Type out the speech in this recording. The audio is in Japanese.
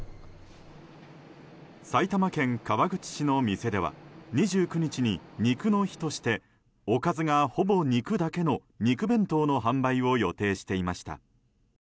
埼玉県川口市の店では２９日に肉の日としておかずがほぼ肉だけの肉弁当の販売を予定していました。